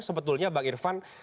sebetulnya bang irfan